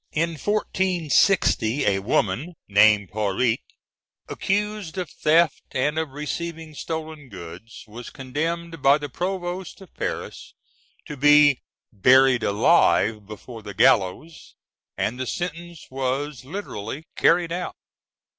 In 1460, a woman named Perette, accused of theft and of receiving stolen goods, was condemned by the Provost of Paris to be "buried alive before the gallows," and the sentence was literally carried out.